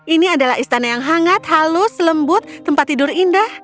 ini adalah istana yang hangat halus lembut tempat tidur indah